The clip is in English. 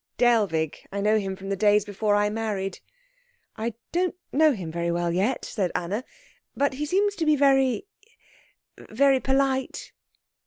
"Dellwig. I know him from the days before I married." "I don't know him very well yet," said Anna, "but he seems to be very very polite."